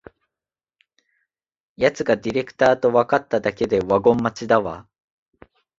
やつがディレクターとわかっただけでワゴン待ちだわ